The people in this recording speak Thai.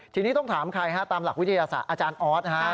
ทีนี้ต้องถามใครฮะตามหลักวิทยาศาสตร์อาจารย์ออส